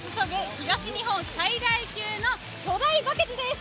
東日本最大級の巨大バケツです。